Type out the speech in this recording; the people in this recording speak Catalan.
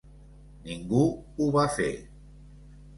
Ningú ho va fer.